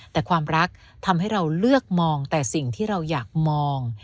แต่ความรักทำให้เราเลือกมองแต่สิ่งที่เราอยากมอง